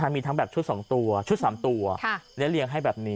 มีทั้งแบบชุด๒ตัวชุด๓ตัวและเลี้ยงให้แบบนี้